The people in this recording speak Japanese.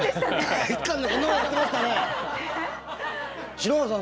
篠原さん